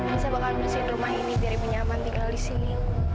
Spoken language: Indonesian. anissa bakal merusak rumah ini biar ibu nyaman tinggal di sini